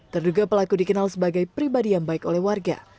terduga pelaku dikenal sebagai pribadi yang baik oleh warga